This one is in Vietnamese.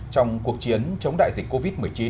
trong cuộc chiến chống đại dịch covid một mươi chín